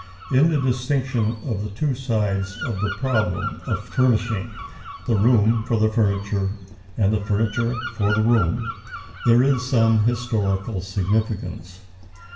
In the distinction of the two sides of the problem of furnishing the room for the furniture, and the furniture for the room there is some historical significance.